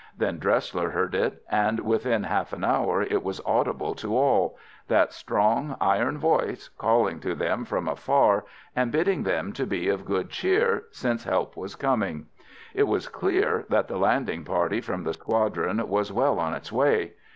Then Dresler heard it, and within half an hour it was audible to all—that strong iron voice, calling to them from afar and bidding them to be of good cheer, since help was coming. It was clear that the landing party from the squadron was well on its way.